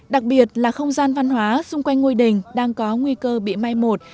đặc biệt là không gian văn hóa xung quanh ngôi đình đang có nguy cơ bị mai một